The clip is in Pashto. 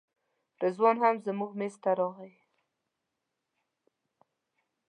رضوان هم زموږ میز ته راغی.